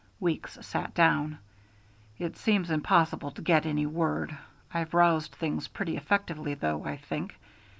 Weeks sat down. "It seems impossible to get any word. I've roused things pretty effectively though, I think.